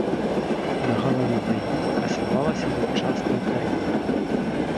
На галаве багіні красавалася зубчастая карона.